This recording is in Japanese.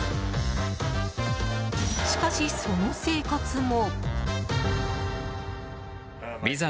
しかし、その生活も。